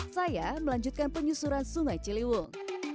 saya melanjutkan penyusuran sungai ciliwung